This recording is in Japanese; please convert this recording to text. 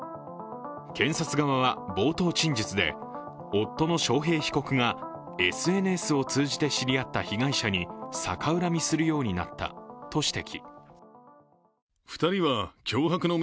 検察側は冒頭陳述で、夫の章平被告がＳＮＳを通じて知り合った被害者に逆恨みするようになったと指摘。